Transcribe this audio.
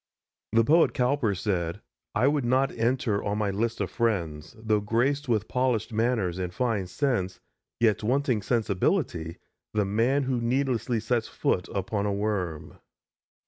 The poet Cowper said: "I would not enter on my list of friends, Though graced with polished manners and fine sense, Yet wanting sensibility, the man Who needlessly sets foot upon a worm."